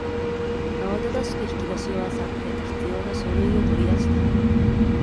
慌ただしく引き出しを漁って必要な書類を取り出した